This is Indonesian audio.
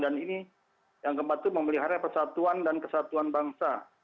dan ini yang keempat itu memelihara persatuan dan kesatuan bangsa